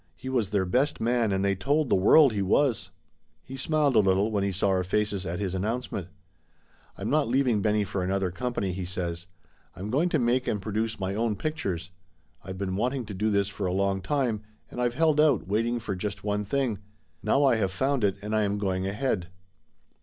He was their best man and they told the world he was. He smiled a little when he saw our faces at his announcement. "I'm not leaving Benny for another company," he says. "I'm going to make and produce my own pic tures. I've been wanting to do this for a long time, and I've held out, waiting for just one thing. Now I have found it, and I am going ahead."